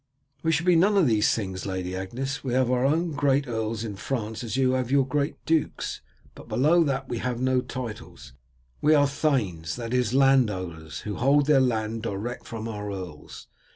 "We shall be none of these things, Lady Agnes. We have our great earls as in France you have your great dukes, but below that we have no titles. We are thanes, that is land owners, who hold their land direct from our earls.